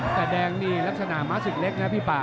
แต่แดงนี่ลักษณะม้าศึกเล็กนะพี่ป่า